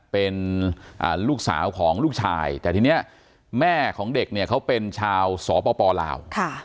เป็นลูกสาวของลูกชายแต่ทีนี้แม่ของเด็กเนี่ยเขาเป็นชาวสปลาว